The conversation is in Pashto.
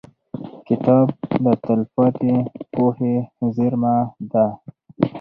• کتاب د تلپاتې پوهې زېرمه ده.